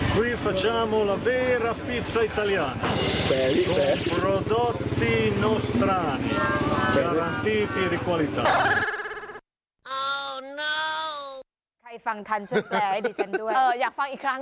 ใครฟังทันช่วยแปลให้ดิฉันด้วยอยากฟังอีกครั้ง